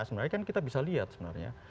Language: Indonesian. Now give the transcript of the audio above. sebenarnya kan kita bisa lihat sebenarnya